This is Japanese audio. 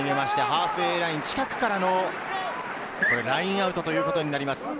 ハーフウェイライン近くからのラインアウトとなります。